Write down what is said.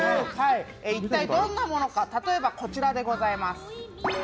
一体どんなものか、例えばこちらでございます。